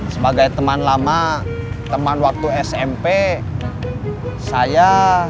sebagai teman lama teman waktu smp saya